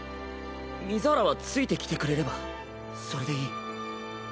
水原はついてきてくれればそれでいい。